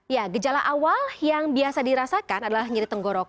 ya gejala awal yang biasa dirasakan adalah nyeri tenggorokan